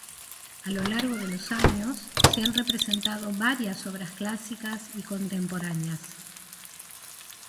A lo largo de los años se han representado varias obras clásicas y contemporáneas.